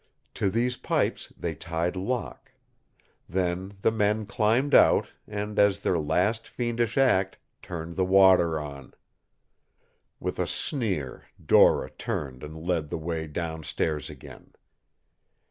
To these pipes they tied Locke. Then the men climbed out and, as their last fiendish act, turned the water on. With a sneer Dora turned and led the way down stairs again.